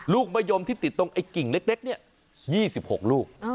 มะยมที่ติดตรงไอ้กิ่งเล็กเนี่ย๒๖ลูก